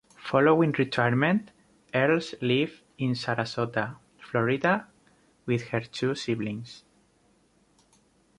Following retirement, Earles lived in Sarasota, Florida with her two siblings.